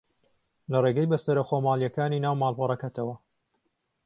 لە ڕێگەی بەستەرە خۆماڵییەکانی ناو ماڵپەڕەکەتەوە